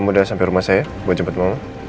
kamu udah sampai rumah saya buat jemput mama